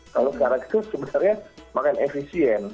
kalau sekarang itu sebenarnya makan efisien